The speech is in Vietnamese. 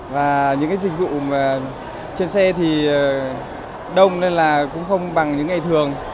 và những dịch vụ trên xe thì đông nên là cũng không bằng những ngày thường